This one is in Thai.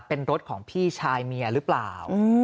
เป็นรถของพี่ชายเมียหรือเปล่า